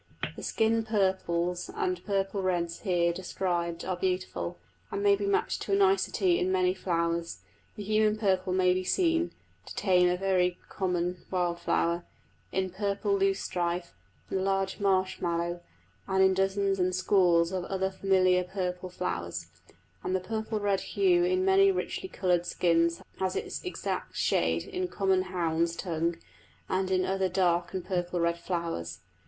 The skin purples and purple reds here described are beautiful, and may be matched to a nicety in many flowers; the human purple may be seen (to name a very common wild flower) in purple loosestrife and the large marsh mallow, and in dozens and scores of other familiar purple flowers; and the purple red hue in many richly coloured skins has its exact shade in common hounds' tongue, and in other dark and purple red flowers.